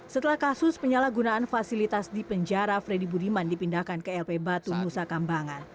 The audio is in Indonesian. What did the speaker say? setelah kasus penyalahgunaan fasilitas di penjara freddy budiman dipindahkan ke lp batu nusa kambangan